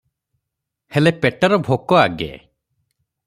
ହେଲେ ପେଟର ଭୋକ ଆଗେ ।